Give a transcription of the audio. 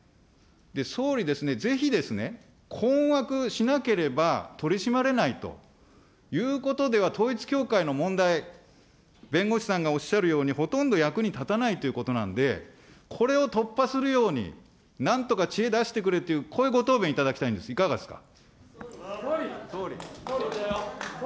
総理ですね、ぜひですね、困惑しなければ取り締まれないということでは、統一教会の問題、弁護士さんがおっしゃるように、ほとんど役に立たないということなんで、これを突破するように、なんとか知恵出してくれという、こういうご答弁いただきたいんです、いかがですか。